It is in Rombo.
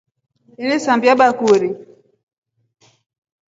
Enasambia bakuri.